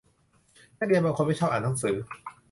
นักเรียนบางคนไม่ชอบอ่านหนังสือ